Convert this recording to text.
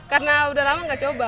karena udah lama gak coba